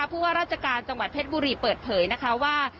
ผู้ว่าราชการจังหวัดเพชรบุรีเปิดเผยนะคะว่า